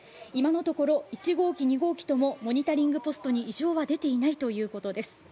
今のところ１号機、２号機ともモニタリングポストに異常は出ていないということです。